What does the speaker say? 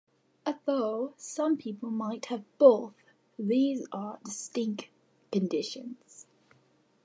Although some people might have both, these are distinct conditions.